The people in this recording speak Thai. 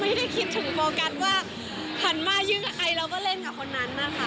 ไม่ได้คิดถึงโฟกัสว่าหันมายื่นกับไอเราก็เล่นกับคนนั้นนะคะ